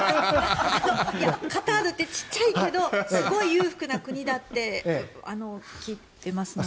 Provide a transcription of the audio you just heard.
カタールって小さいけどすごい裕福な国だって聞いていますね。